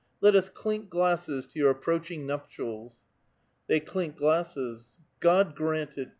Let us clink glasses ' to your approaching nuptials !'" They clink glasses. "God grant it!